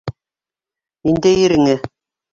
Ниндәй иреңә?